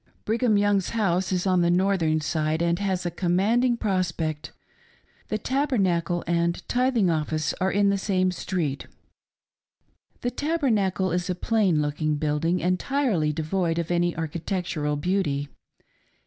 Brigham Young's house is on the northern 'Side, and has a commanding prospect. The Tabernacle and tithing 'office are in thfe same street. The Tabernacle is a plain looking building entirely devoid of any architectural beauty.